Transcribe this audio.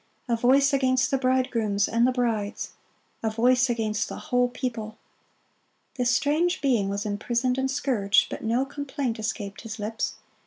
a voice against the bridegrooms and the brides! a voice against the whole people!" This strange being was imprisoned and scourged, but no complaint escaped his lips.